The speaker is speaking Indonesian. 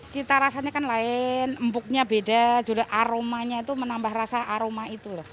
cita rasanya kan lain empuknya beda juga aromanya itu menambah rasa aroma itu loh